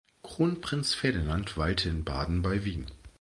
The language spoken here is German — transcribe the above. Kronprinz Ferdinand weilte in Baden bei Wien.